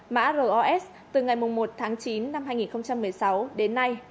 mã ros từ ngày một tháng chín năm hai nghìn một mươi sáu đến nay